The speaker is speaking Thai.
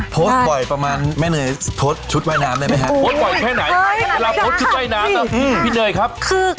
โพสต์บ่อยประมาณแม่เนยโพสต์ชุดว่ายน้ำได้มั้ยครับ